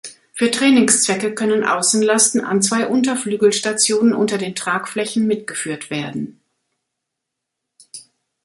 Für Trainingszwecke können Außenlasten an zwei Unterflügelstationen unter den Tragflächen mitgeführt werden.